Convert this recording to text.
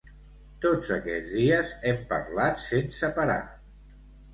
Tots aquests dies hem parlat sense parar.